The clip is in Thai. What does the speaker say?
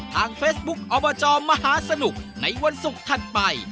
ทางเฟซบุ๊คอบจมหาสนุกในวันศุกร์ถัดไป